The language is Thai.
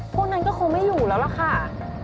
พวกนั้นก็คงไม่อยู่แล้วล่ะค่ะ